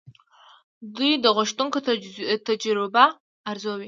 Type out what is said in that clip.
دوی د غوښتونکو تجربه ارزوي.